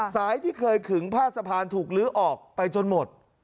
ที่เคยขึงผ้าสะพานถูกลื้อออกไปจนหมด